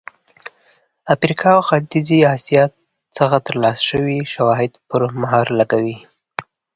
افریقا او ختیځې اسیا څخه ترلاسه شوي شواهد پرې مهر لګوي.